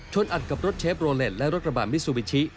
อัดกับรถเชฟโรเล็ตและรถกระบาดมิซูบิชิ